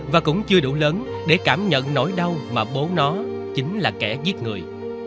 và cũng chưa đủ lớn để cảm nhận nỗi đau mà bố nó chính là kẻ giết người